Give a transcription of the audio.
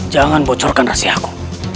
jangan bocorkan rahasia aku